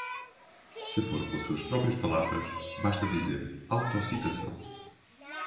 Se for com suas próprias palavras, basta dizer “Autocitação”.